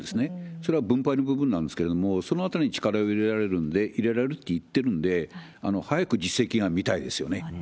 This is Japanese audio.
それは分配の部分なんですけれども、そのあたりに力を入れられるって言ってるんで、早く実績が見たいそうですね。